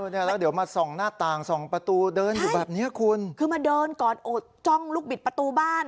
เนี่ยแล้วเดี๋ยวมาส่องหน้าต่างส่องประตูเดินอยู่แบบเนี้ยคุณคือมาเดินก่อนโอดจ้องลูกบิดประตูบ้าน